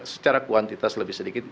secara kuantitas lebih sedikit